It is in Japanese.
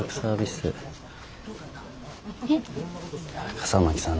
笠巻さんな